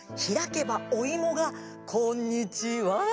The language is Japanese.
「ひらけばおいもがこんにちは！」